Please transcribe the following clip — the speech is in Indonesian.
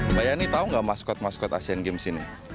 mbak yani tahu nggak maskot maskot asian games ini